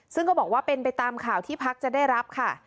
ซึ่งก็บอกว่าเป็นไปตามข่าวที่พักจะได้รับค่ะ